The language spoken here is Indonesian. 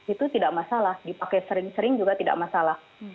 itu tidak masalah dipakai sering sering juga tidak masalah